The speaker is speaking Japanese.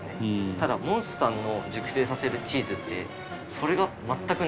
ただモンスさんの熟成させるチーズってそれが全くなくて。